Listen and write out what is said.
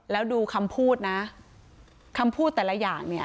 แล้วดูคำพูดนะคำพูดแต่ละอย่างเนี่ย